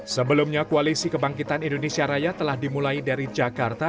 sebelumnya koalisi kebangkitan indonesia raya telah dimulai dari jakarta